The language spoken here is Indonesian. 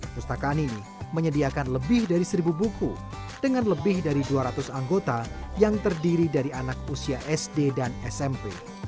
pustakaan ini menyediakan lebih dari seribu buku dengan lebih dari dua ratus anggota yang terdiri dari anak usia sd dan smp